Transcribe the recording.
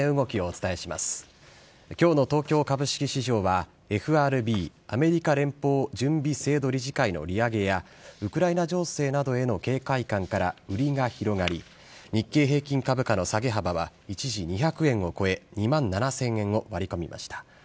きょうの東京株式市場は、ＦＲＢ・アメリカ連邦準備制度理事会の利上げや、ウクライナ情勢などへの警戒感から売りが広がり、日経平均株価の下げ幅は、一時２００円を超え、２万７０００円を割り込みました。